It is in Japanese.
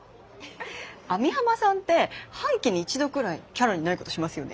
網浜さんって半期に１度くらいキャラにないことしますよね。